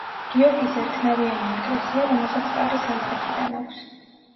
გიორგის ერთნავიანი ეკლესია, რომელსაც კარი სამხრეთიდან აქვს.